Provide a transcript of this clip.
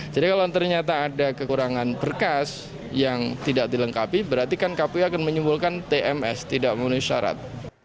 jadi kalau ternyata ada kekurangan berkas yang tidak dilengkapi berarti kan kpud akan menyimpulkan tms tidak memenuhi syarat